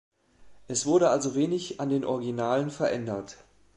Es wurde also wenig an den Originalen verändert.